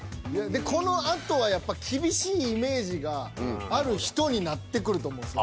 このあとはやっぱ厳しいイメージがある人になってくると思うんですよ。